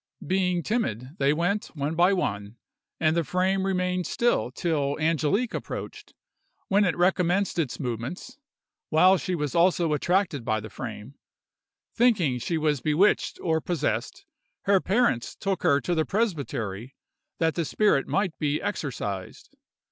Being timid, they went one by one, and the frame remained still till Angelique approached, when it recommenced its movements, while she was also attracted by the frame: thinking she was bewitched or possessed, her parents took her to the presbytery that the spirit might be exorcised.